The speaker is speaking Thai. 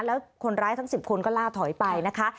แล้วคนร้ายทั้ง๑๐คนก็ล่าถอยไปนะคะ